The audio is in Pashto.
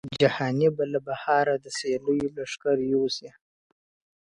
جهانی به له بهاره د سیلیو لښکر یوسي.